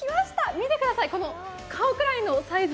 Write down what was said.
見てください、顔くらいのサイズ。